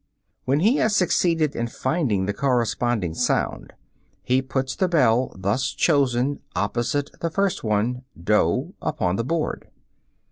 When he has succeeded in finding the corresponding sound, he puts the bell thus chosen opposite the first one (doh) upon the board.